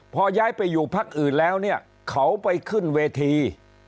พอย้ายไปอยู่พักอื่นแล้วเนี่ยเขาไปขึ้นเวที